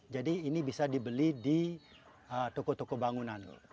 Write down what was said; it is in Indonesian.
jadi ini bisa dibeli di toko toko bangunan